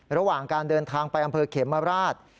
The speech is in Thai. ระหว่างการเดินทางไปอำเภอเขมราช